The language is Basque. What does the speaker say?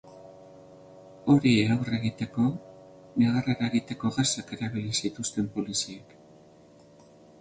Horiei aurre egiteko, negar eragiteko gasak erabili zituzten poliziek.